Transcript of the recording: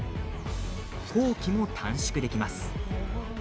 工期も短縮できます。